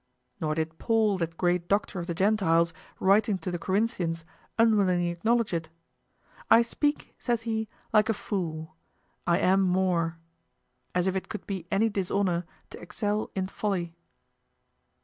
Nor did Paul, that great doctor of the Gentiles, writing to the Corinthians, unwillingly acknowledge it; "I speak," says he, "like a fool. I am more." As if it could be any dishonor to excel in folly.